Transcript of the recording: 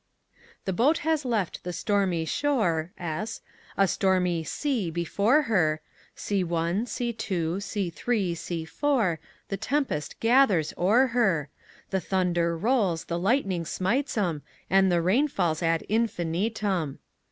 The boat has left the stormy shore (S) A stormy C before her C1 C2 C3 C4 The tempest gathers o'er her The thunder rolls, the lightning smites 'em And the rain falls ad infinitum.